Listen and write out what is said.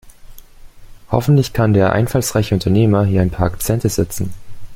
Hoffentlich kann der einfallsreiche Unternehmer hier ein paar Akzente setzen.